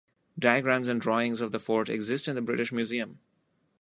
Diagrams and drawings of the Fort exist in the British Museum.